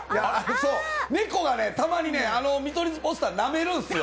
猫がたまに「見取り図ポスター」なめるんですよ。